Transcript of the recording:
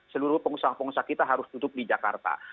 seluruh pengusaha pengusaha kita harus tutup di jakarta